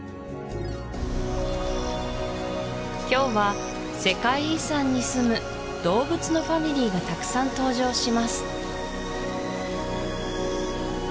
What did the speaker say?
今日は世界遺産にすむ動物のファミリーがたくさん登場します